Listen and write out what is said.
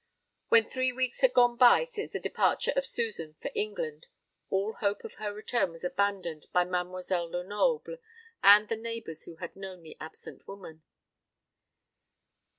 When three weeks had gone by since the departure of Susan for England, all hope of her return was abandoned by Mademoiselle Lenoble and the neighbours who had known the absent woman.